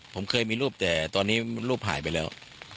ผมเคยมีรูปแต่ตอนนี้รูปหายไปแล้ว